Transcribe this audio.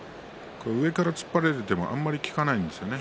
上から突っ張られてもあまり効かないんですね。